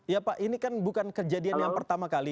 ya pak ini kan bukan kejadian yang pertama kali